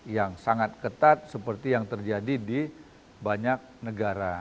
yang sangat ketat seperti yang terjadi di banyak negara